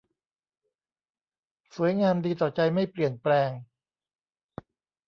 สวยงามดีต่อใจไม่เปลี่ยนแปลง